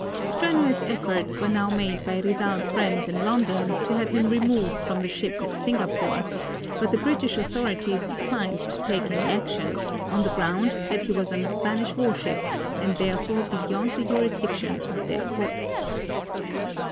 Strenuous efforts were now made by Rizal's friends in London to have him removed from the ship at Singapore, but the British authorities declined to take any action, on the ground that he was on a Spanish warship and therefore beyond the jurisdiction of their courts.